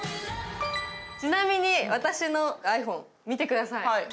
ちなみに私のｉＰｈｏｎｅ、見てください。